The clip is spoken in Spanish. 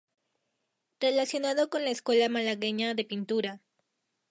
Relacionado con la Escuela malagueña de pintura.